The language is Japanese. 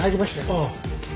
ああ。